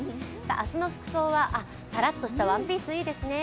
明日の服装は、さらっとしたワンピース、いいですね。